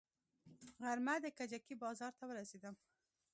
غرمه د کجکي بازار ته ورسېدم.